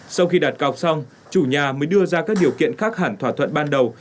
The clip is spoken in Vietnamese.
sau khi đặt cọc xong chủ nhà mới đưa ra các điều kiện khác hẳn thỏa thuận ban đầu